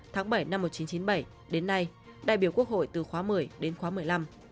tháng bảy năm một nghìn chín trăm chín mươi bảy đến nay đại biểu quốc hội từ khóa một mươi đến khóa một mươi năm